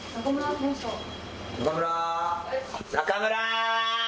中村！